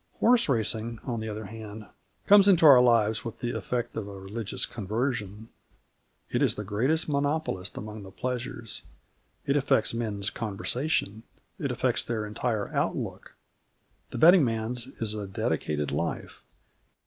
Horse racing, on the other hand, comes into our lives with the effect of a religious conversion. It is the greatest monopolist among the pleasures. It affects men's conversation. It affects their entire outlook. The betting man's is a dedicated life.